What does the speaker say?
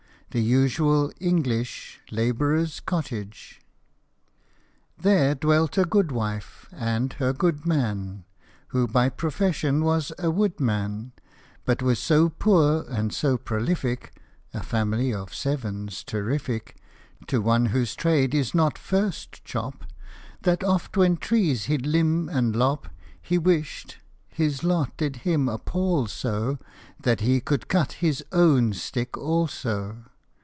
The usual " English labourer's cottage." There dwelt a goodwife, and her goodman, Who by profession was a woodman, But was so poor and so prolific (A family of seven 's terrific HOP O MY THUMB. To one whose trade is not first chop), That oft when trees he'd limb and lop He wished his lot did him appal so That he could cut his own stick also.